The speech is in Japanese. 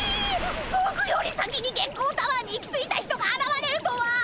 ぼくより先に月光タワーに行き着いた人があらわれるとは。